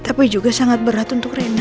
tapi juga sangat berat untuk rena